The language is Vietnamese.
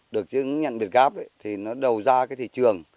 được chứng nhận việt gáp thì nó đầu ra cái thị trường